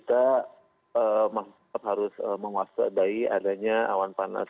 jadi kita harus menguasai adanya awan panas